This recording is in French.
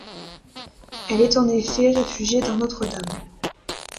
Elle est en effet réfugiée dans Notre-Dame.